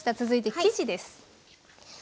続いて生地です。